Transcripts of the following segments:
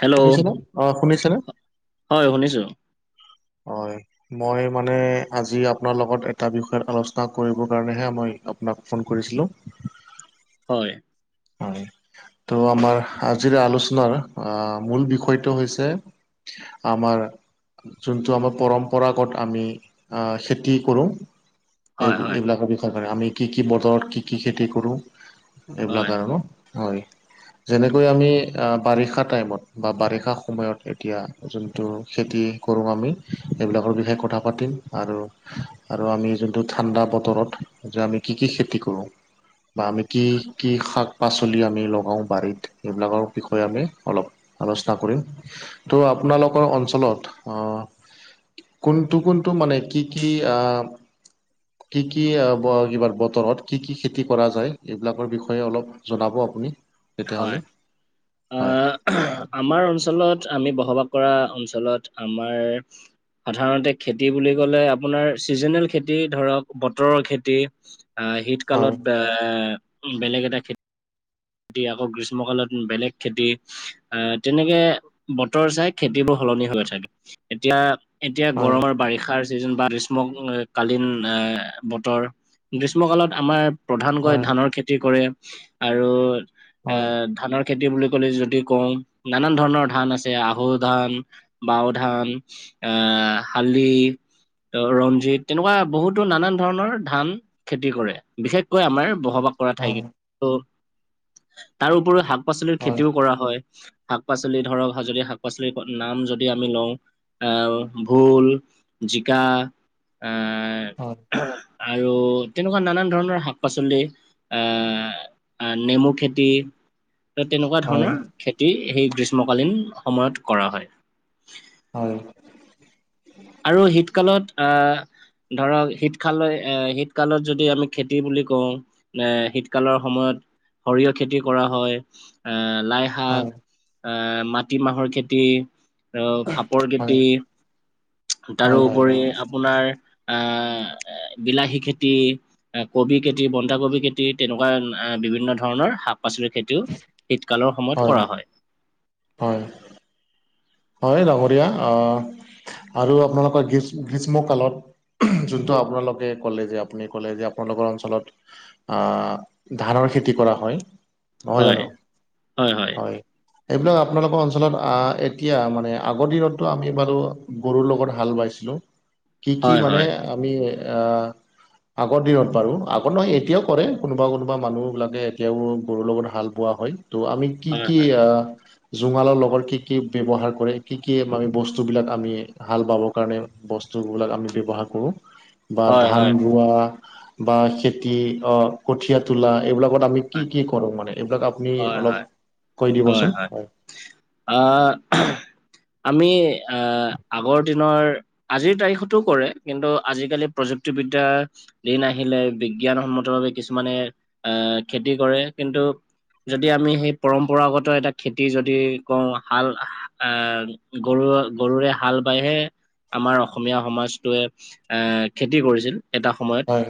Hello শুনিছেনে, অ', শুনিছেনে? হয়', শুনিছোঁ। হয়। মই মানে আজি আপোনাৰ লগত এটা বিষয়ত আলোচনা কৰিব কাৰণে হে মই আপ', তোমাক ফোন কৰিছিলোঁ', হয়। হয়, ত' আমাৰ আজিৰ আলোচনাৰ আহ মূল বিষয়টো হৈছে আমাৰ যোনটো আমাৰ পৰম্পৰাগত আমি খেতি কৰোঁ। এই হয় হয় এইবিলাকৰ বিষয় মানে, আমি কি কি বতৰত কি কি খেতি কৰো হয় এইবিলাক আৰু ন। হয়। যেনেকৈ আমি বাৰিষা টাইমত বা বাৰিষা সময়ত, এতিয়া যোনটো খেতি- কৰোঁ আমি সেইবিলাকৰ বিষয়ে কথা পাতিম, আৰু আৰু আমি যোনটো ঠাণ্ডা বতৰত যে, আমি কি কি খেতি কৰোঁ। বা আমি কি? শাক পাচলি আমি লগাওঁ বাৰীত এইবিলাকৰ বিষয়ে আমি অলপ আলোচনা কৰিম। ত' আপোনালোকৰ অঞ্চলত আহ কোনটো কোনটো মানে কি কি আহ। কি কি অ ব বতৰত কি কি খেতি কৰা যায় এইবিলাকৰ বিষয়ে। ষয়ে অলপ জনাব আপুনি হয়, তেতিয়াহ'লে হয় অঁ আমাৰ অঞ্চলত আমি বসবাস কৰা অঞ্চলত আমাৰ সাধাৰণতে খেতি বুলি ক'লে আপোনাৰ ছিজনেল খেতি ধৰক বতৰৰ খেতি আহ শীত হয় কালত এ বেলেগ এটা খেতি খেতি আকৌ গ্ৰীষ্মকালত বেলেগ খেতি- আহ তেনেকে বতৰ চাই খেতিবোৰ সলনি হৈ থাকে এতিয়া। এতিয়া হয় গৰমৰ বাৰিষাৰ চিজন বা গ্ৰীষ্ম কালীন আহ বতৰ গ্ৰীষ্ম কালত আমাৰ- প্ৰধানকৈ হয় ধানৰ খেতি কৰে আৰু এ হয় ধানৰ খেতি বুলি কলে যদি কওঁ নানান ধৰণৰ ধান আছে আহু ধান, বাও ধান, আহ শালি। ত ৰঞ্জিত তেনেকুৱা বহুতো নানান ধৰণৰ ধান খেতি কৰে। বিশেষকৈ আমাৰ বসবাস কৰা হয় ঠাইকেই ত' তাৰ উপৰিও শাক পাচলিৰ হয় খেতিও কৰা হয়। শাক পাচলি ধৰক যদি শাক পাচলিৰ নাম যদি আমি লওঁ। আহ ভুল, জিকা হয় আহ- আৰু তেনেকুৱা নানান ধৰণৰ শাক পাচলি আহ। নেমু খেতি ত তেনেকুৱা ধৰণৰ খেতি সেই গ্ৰীষ্মকালীন সময়ত কৰা হয়। হয়। আৰু শীতকালত আহ ধৰক শীতকালৰ এ শীতকালত যদি আমি খেতি বুলি কওঁ। এ শীতকালৰ সময়ত সৰিয়হ খেতি কৰা হয়। আহ লাই, শাক আহ মাটিমাহৰ খেতি আহ ফাপৰ হয় খেতি- হয় হয় তাৰোপৰি আপোনাৰ আহ বিলাহী খেতি। কবি কেটি বন্ধাকবি কেটি তেনেকুৱা বিভিন্ন ধৰণৰ শাক- পাচলিৰ খেতিও শীতকালৰ সময়ত- হয়, হয়। হয় ডাঙৰীয়া অঁ আৰু আপোনালোকৰ গ্ৰী গ্ৰীষ্মকালত- যোনটো আপোনালোকে ক'লে যে আপুনি ক'লে যে আপোনালোকৰ অঞ্চলত- অঁ ধানৰ খেতি কৰা হয়। নহয় হয় জানো হয় এইবিলাক আপোনালোকৰ অঞ্চলত আহ- এতিয়া মানে আগৰ দিনতটো আমি বাৰু গৰুৰ লগত হাল বাইছিলো, কি কি হয় মানে হয় আমি, আহ আগৰ দিনত পাৰোঁ। আগত নহয় এতিয়াও কৰে, কোনোবা কোনোবা মানুহবিলাকে এতিয়াও গৰুৰ লগত হাল বোৱা হয়। ত' আমি কি হয় কি আ, জোঙালৰ লগৰ কি কি? ব্যৱহাৰ কৰে, কি কি আমাৰ বস্তুবিলাক আমি হাল বাবৰ কাৰণে বস্তুবিলাক আমি ব্যৱহাৰ কৰোঁ। বা হয় হয় হয় ধান হয় ৰোৱা বা খেতি অ কঠীয়া তোলা এইবিলাকত আমি কি কি কৰো মানে এইবিলাক আপুনি অলপ কৈ দিবচোন হয়? আ আহ আমি আহ আগৰ দিনৰ আজিৰ তাৰিখতো কৰে কিন্তু আজিকালি প্ৰযুক্তিবিদ্যা দিন আহিলে, বিজ্ঞানসন্মত বাবে কিছুমানে আহ খেতি কৰে কিন্তু যদি আমি সেই পৰম্পৰাগত এটা খেতি যদি কওঁ হাল আহ গৰু, গৰুৰে হাল বাইহে আমাৰ অসমীয়া সমাজটোৱে এ খেতি কৰিছিল এটা সময়ত, হয়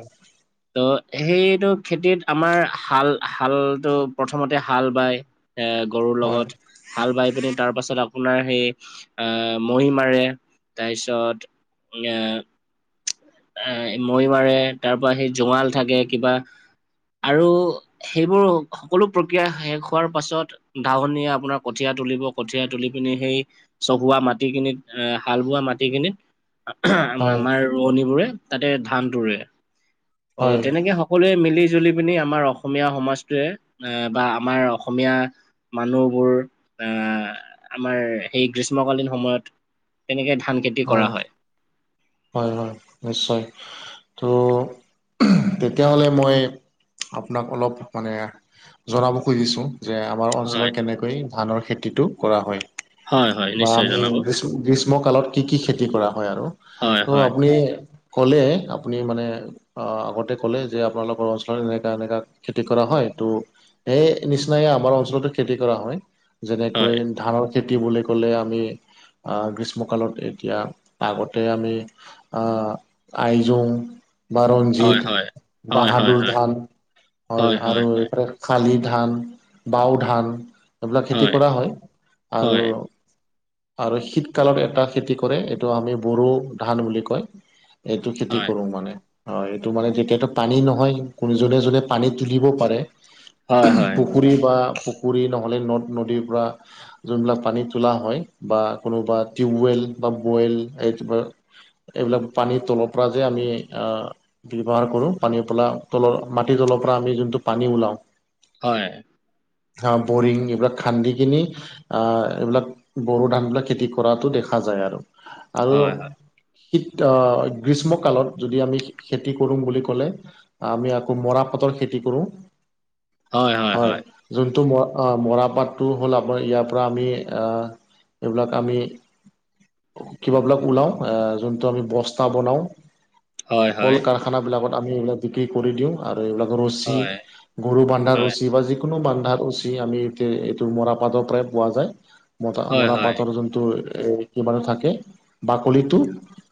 ত' সেইটো খেতিত আমাৰ হাল- হালটো প্ৰথমতে হাল বায়, এ গৰুৰ হয় লগত হাল বাই পিনি তাৰ পাছত আপোনাৰ সেই আহ মহি মাৰে, তাৰপিছত ই আ এ মৈ মাৰে, তাৰ পৰা সেই জোঙাল থাকে কিবা আৰু সেইবোৰ সকলো প্ৰক্ৰিয়া শেষ হোৱাৰ পাছত দাৱনিয়ে আপোনাৰ কঠীয়া তুলিব, কঠীয়া তুলি পিনি সেই চহোৱা মাটিখিনিত এ হাল বোৱা মাটিখিনিত আহাঁ আমাৰ হয় আমাৰ ৰোৱনীবোৰে তাতে ধানটো ৰুৱে, অ হয় তেনেকে স কলোৱে মিলি- জুলি পিনি আমাৰ অসমীয়া সমাজটোৱে, এ বা আমাৰ অসমীয়া মানুহবোৰ আহ আমাৰ সেই গ্ৰীষ্মকালীন সময়ত তেনেকে ধান খে হয়, হয় হয়, নিশ্চয় ত উহ তেতিয়াহলে মই আপোনাক অলপ মানে জনাব খুজিছোঁ যে আ আমাৰ অঞ্চলত হয় কেনেকৈ ধানৰ খেতিটো কৰা হয় হয় হয় বা নিশ্চয় আমি জনাব গ্ৰীচ গ্ৰীষ্মকালত কি কি খেতি কৰা হয়, আৰু হয় ত' হয় আপুনি কলে আপুনি মানে আহ আগতে ক'লে যে আপোনালোকৰ অঞ্চলত এনেকা এনেকা খেতি কৰা হয় তো' সেই নিচিনাকে আমাৰ অঞ্চলতো খেতি কৰা হয়। হয় যেনেকৈ ধানৰ খেতি বুলি ক'লে আমি আহ গ্ৰীষ্মকালত এতিয়া, আগতে আমি আ আইজোঙ বা হয় ৰঞ্জিত, হয়। হয় হয় বাহাদুৰ হয় ধান হয় হয় আৰু হয় এইফালে শালি ধান, বাও ধান এইবিলাক খেতি কৰা হয়। আৰু আৰু শীতকালৰ এটা খেতি কৰে এইটো আমি বড়ো ধান বুলি কয়, এইটো খেতি হয় কৰো মানে। হয় এইটো মানে তেতিয়াতো পানী নহয়, কোনোজনে যোনে পানী তুলিব পাৰে। হয়, হয়। পুখুৰী বা পুখুৰী নহলে নদ - নদীৰ পৰা যোনবিলাক পানীত তোলা হয় বা কোনোবা টিউবৱেল বা বৱেল এইবিলাক পানীৰ তলৰ পৰা যে আমি আহ ব্যৱহাৰ কৰোঁ। পানী পেলা তলৰ মাটিৰ তলৰ পৰা আমি যোনটো পানী ওলাও হয়। হা বৰিং এইবিলাক খান্দি কিনি আহ এইবিলাক বড়ো ধানবিলাক খেতি কৰাতো দেখা যায় আৰু আৰু হয় হয় শীত অ গ্ৰীষ্মকালত যদি আমি খে খেতি কৰোঁ বুলি ক'লে আমি আকৌ মৰা পাটৰ খেতি কৰো হয়। যোনটো ম আ মৰাপাটটো হ'ল, আপোনাৰ ইয়াৰ পৰা আমি আ এইবিলাক আমি কিবাবিলাক ওলাও আ যোনটো আমি বস্তা বনাও, হয় হয় কল হয় হয় কাৰখা খানাবিলাকত আমি এইবিলাক বিক্ৰী কৰি দিওঁ আৰু এইবিলাক ৰছী গৰু বান্ধাৰ ৰুচি বা যিকোনো বান্ধাৰ ৰুচি আমি এয়া এইটো মৰাপাতৰ পৰাই পোৱা যায়। মতা, হয় হয় হয় হয় হয় হয় মৰা পাটৰ যোনটো এ কি বাৰু থাকে বাকলিটো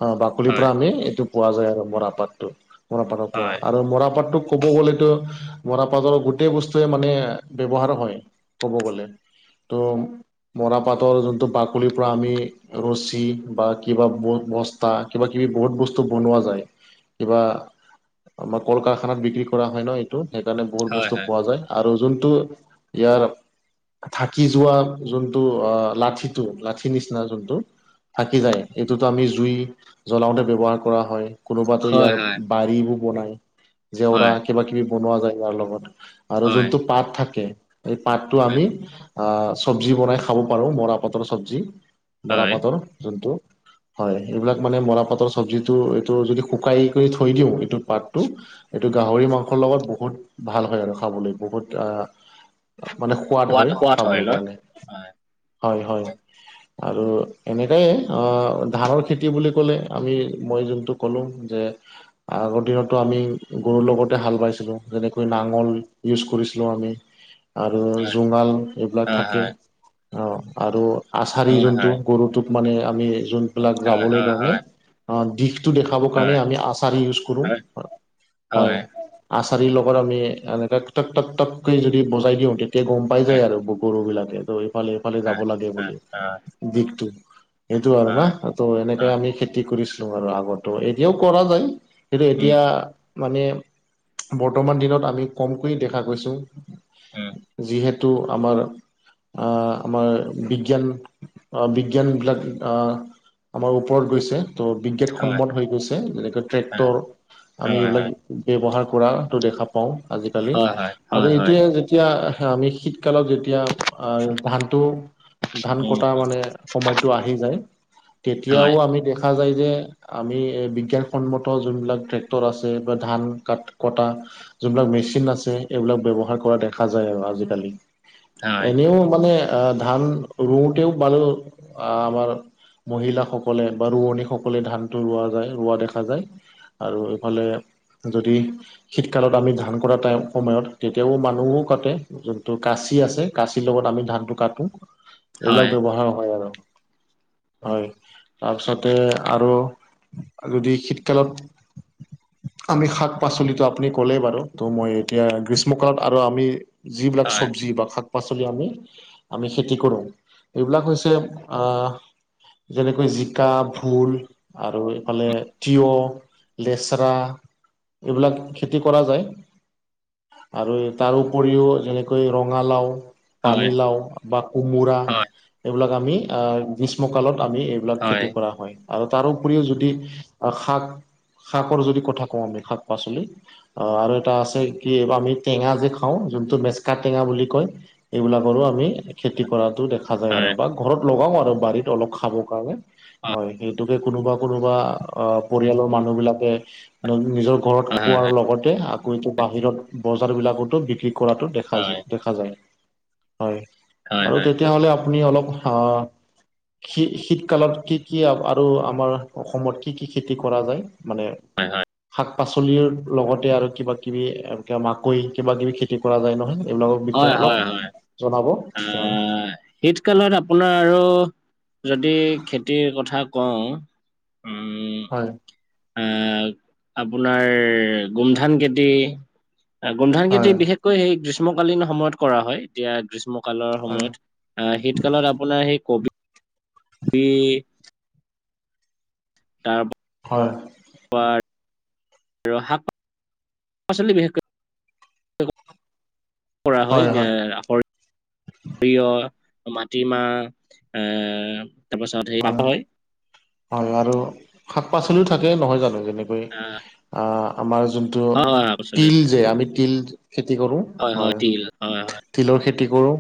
অ বাকলিৰ পৰা আমি এইটো পোৱা যায় আৰু মৰাপাটটো। মৰাপাটৰ পৰা আৰু মৰাপাটটোক ক'ব গ'লেটো মৰাপাটৰ গোটেই বস্তুৱে মানে ব্যৱহাৰ হয় ক'ব গ'লে। ত, মৰাপাটৰ যোনটো বাকলিৰ পৰা আমি ৰছী বা কিবা ব বস্তা কিবা-কিবি বহুত বস্তু বনোৱা যায়। কিবা আমাৰ কল-কাৰখানাত বিক্ৰী কৰা হয় ন এইটো, সেই কাৰণে বহুত বস্তু পোৱা যায়। আৰু যোনটো ইয়াৰ থাকি যোৱা যোনটো অ লাঠিটো, লাঠি নিচিনা যোন টো থাকি যায়। এইটোতো আমি জুই জলাওঁতে ব্যৱহাৰ কৰা হয়। কোনোবাতো ইয়াৰ বাৰীবোৰ বনায়, জেওৰা হয় কিবা-কিবি বনোৱা যায় ইয়াৰ লগত। আৰু যোনটো পাত থাকে, এই পাতটো হয় আমি আ চব্জি বনাই খাব পাৰো, মৰাপাটৰ চব্জি। হয় মৰাপাটৰ যোনটো হয় এইবিলাক মানে মৰাপাটৰ চব্জিটো এইটো যদি শুকাই কৰি থৈ দিওঁ এইটো পাতটো এইটো গাহৰি মাংসৰ লগত বহুত ভাল হয় আৰু খাবলৈ বহুত আ মানে সোৱাদ হয় খাবৰ কাৰণে। হয়, হয়। আৰু এনেকাই অ ধানৰ খেতি বুলি ক'লে আমি মই যোনটো ক'লো যে আগৰ দিনতটো আমি গৰুৰ লগতে হাল বাইছিলো। যেনেকৈ নাঙল ইউজ কৰিছিলোঁ আমি। [inaudible] আৰু হয় জোঙাল এইবিলাক হয় থাকে। হয় অ আৰু আচাৰি যোনটো হয় গৰুটো মানে আমি যোনবিলাক যাবলৈ হয় কাৰণে হয় অ দিশ টো দেখাব কাৰণে হয় আমি আছাৰি ইয়োজ কৰো, হয় হয়। আচাৰি লগত আমি এনে টক টক টকৈ যদি বজাই দিওঁ তেত তেতিয়া গম পাই যায় আৰু গৰু বিলাকে ত' এইফালে-এইফালে হয় হয় যাব লাগে হয় বুলি। হয় দিশটো এইটো আৰু হয় না ত এনেকে হয় আমি খেতি কৰিছো আৰু আগতো এতিয়াও কৰা যায়। সেইটো উম এতিয়া মানে বৰ্তমান দিনত আমি কমকৈ দেখা গৈছো। উম যিহেতু আমাৰ আ আমাৰ বিজ্ঞান আ বিজ্ঞানবিলাক আমাৰ ওপৰত গৈছে। ত' বিজ্ঞান হয় সন্মত হৈ গৈছে। যেনেকৈ হয় ট্ৰেক্টৰ আমি হয় এইবিলাক হয় ব্যৱহাৰ কৰাটো দেখা পাও আজি-কালি হয় হয় আৰু হয় হয় এইটোৱে যে এতিয়া আমি শীতকালত যেতিয়া আ ধানটো ধান উম কটা মানে সময়টো আহি যায়, তেতিয়াও হয় আমি দেখা যায় যে আমি বিজ্ঞানসন্মত যোনবিলাক ট্ৰেক্টৰ আছে বা ধান কাট কটা যোনবিলাক মেচিন আছে এইবিলাক ব্যৱহাৰ কৰা দেখা যায় আৰু আজি-কালি। হয় এনেও মানে আ ধান ৰুওতেও মানুহ আ আমাৰ মহিলাসকলে বা ৰোৱনীসকলে ধানটো ৰোৱা যায় ৰোৱা দেখা যায়। আৰু এইফালে যদি শীতকালত আমি ধান কৰা টাইম সময়ত তেতিয়াও মানুহো কাটে। যোনটো কাঁচি আছে, কাঁচিৰ লগত আমি ধানটো কাটো। হয় এইবিলাক ব্যৱহাৰ হয় আৰু। হয়, তাৰপিছতে আৰু আৰু দি শীতকালত আমি শাক-পাচলিটো আপুনি ক'লেই বাৰু। ত' মই এতিয়া গ্ৰীষ্ম কালত আৰু আমি যিবিলাক হয় চব্জি বা শাক-পাচলি আমি আমি খেতি কৰোঁ এইবিলাক হৈছে আ যেনেকৈ জিকা, ভোল আৰু এইফালে তিয়। লেচৰা এইবিলাক খেতি কৰা যায়। আৰু তাৰ উপৰিও যেনেকৈ ৰঙালাও হয় হয় পানীলাও বা কোমোৰা এইবিলাক আমি গ্ৰীষ্ম কালত আমি এইবিলাক হয় খেতি কৰা হয় আৰু তাৰোপৰিও যদি বা শাক শাকৰ যদি কথা কওঁ আমি, শাক- পাচলি অ আৰু এটা আছে কি আমি টেঙা যে খাওঁ, যোনটো মেচকা টেঙা বুলি কয়? এইবিলাকৰো আমি খেতি কৰাতো দে খা হয় যায় আৰু হয় বা ঘৰত লগাও আৰু বাৰীত অলপ খাব কাৰণে হয়, সেইটো কোনোবা কোনোবা অ পৰিয়ালৰ মানুহ বিলাকে দত নিজৰ ঘৰত হয় হয় হয় খোৱাৰ লগতে আকৌ এইটো বাহিৰত বজাৰবিলাকতো বিক্ৰী কৰাটো দেখা যি হয় দেখা যায়, হয় হয় হয় আৰু তেতিয়া হলে আ পুনি অলপ হা শী -শীতকালত কি কি আৰু আমাৰ অসমত কি কি খেতি কৰা যায় মানে? হয় হয়। শাক - পাচলিৰ লগতে আৰু কিবা - কিবি এনেকে মাকৈ কিবা - কিবি খেতি কৰা যায় নহয় নে? এইবিলাকৰ বিষয়ে অলপ হয় হয় জনাব আহ তেতিয়াহ'লে? শীতকালত আপোনাৰ আৰু যদি খেতিৰ কথা কওঁ হয়। আ আপোনাৰ গোমধান খেতি, গোমধান হয় খেতি বিশেষ কৈ সেই গ্ৰীষ্মকালীন সময়ত কৰা হয় এতিয়া গ্ৰীষ্মকালৰ হয় সময়ত। অ শীতকালত আপোনাৰ সেই কবি বি তাৰ হয়। পঠ ৰহা পাচলি বিশেষকৈ কৰা হয় এ সৰিয়হ, মাটিমাহ এ তাৰপাছত এ সেই হয়। হয় আৰু শাক - পাচলিও থাকে নহয় জানো যেনেকৈ আহ আহ আমাৰ যোন টো অ হয় শাক পাচলি তিল উঠে যে আমি তিল খেতি কৰো হয়। তিল হয় হয় তিলৰ খেতি কৰোঁ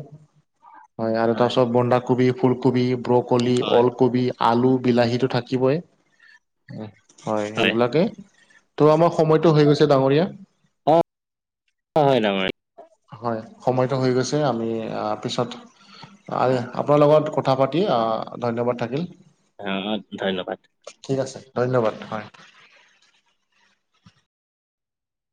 হয় আৰু তাৰপাছত বন্ধাকবি, ফুলকবি, ব্ৰকলি হয় অলকবি, আলু, বিলাহীটো থাকিবই। হয় এইবিলাকে, ত' আমাৰ সময়টো হৈ গৈছে ডাঙৰীয়া। অঁ, অঁ হয় ডাঙৰীয়া। হয় সময়তো হৈ গৈছে, আমি আ পিছত আ হয় আপোনাৰ লগত কথা পাতি আ ধন্যবাদ থাকিল। আ ধন্যবাদ। ঠিক আছে ধন্যবাদ হয়।